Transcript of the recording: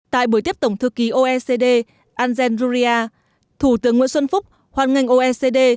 tại buổi tiếp tổng thư ký oecd angend ruria thủ tướng nguyễn xuân phúc hoàn ngành oecd